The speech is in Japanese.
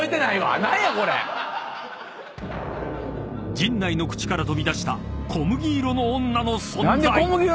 ［陣内の口から飛び出した小麦色の女の存在］